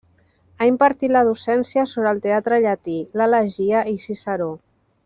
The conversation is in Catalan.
Ha impartit la docència sobre el teatre llatí, l'elegia i Ciceró.